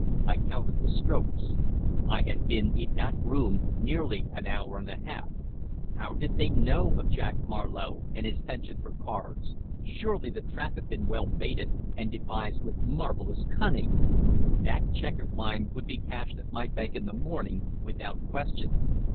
I counted the strokes. I had been in that room nearly an hour and a half. How did they know of Jack Marlowe and his penchant for cards? Surely the trap had been well baited, and devised with marvellous cunning. That cheque of mine would be cashed at my bank in the morning without question.